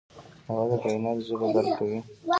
هغه د کائنات ژبه درک کوي.